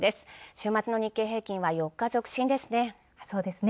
週末の日経平均は４日続伸ですね。